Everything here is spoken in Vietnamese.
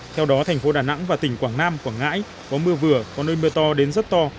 theo đó thành phố đà nẵng và tỉnh quảng nam quảng ngãi có mưa vừa có nơi mưa to đến rất to